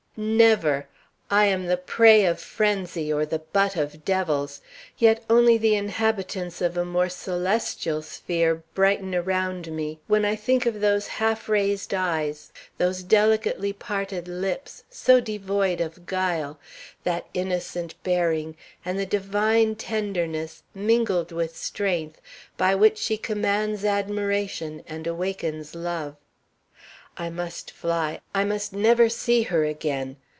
Never! I am the prey of frenzy or the butt of devils. Yet only the inhabitants of a more celestial sphere brighten around me when I think of those half raised eyes, those delicately parted lips, so devoid of guile, that innocent bearing, and the divine tenderness, mingled with strength, by which she commands admiration and awakens love. I must fly. I must never see her again.